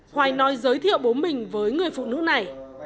hoài nói giới thiệu bố mình với người phụ nữ này